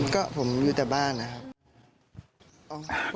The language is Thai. ก็ผมอยู่แต่บ้านนะครับ